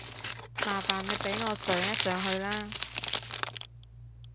麻煩你俾我上一上去啦